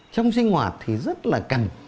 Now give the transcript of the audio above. trong sinh hoạt thì rất là cần